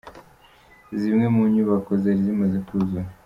Zimwe mu nyubako zari zimaze kuzura.